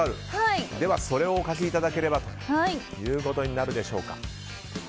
では、それをお書きいただければということになるでしょうか。